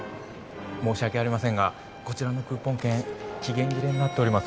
申し訳ありませんがこちらのクーポン券期限切れになっております。